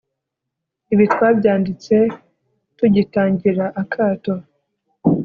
Ibi twabyanditse tugitangira akato